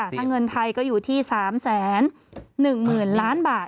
ถ้าเงินไทยก็อยู่ที่๓๑๐๐๐ล้านบาท